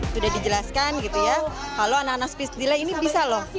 sudah dijelaskan gitu ya kalau anak anak speech delay ini bisa loh